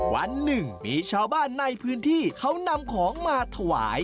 วันหนึ่งมีชาวบ้านในพื้นที่เขานำของมาถวาย